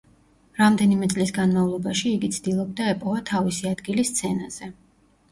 რამდენიმე წლის განმავლობაში იგი ცდილობდა ეპოვა თავისი ადგილი სცენაზე.